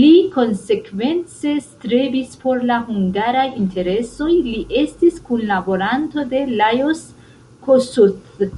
Li konsekvence strebis por la hungaraj interesoj, li estis kunlaboranto de Lajos Kossuth.